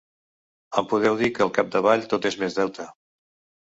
Em podeu dir que al capdavall tot és més deute.